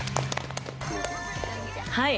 はい。